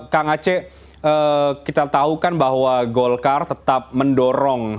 kang aceh kita tahukan bahwa golkar tetap mendorong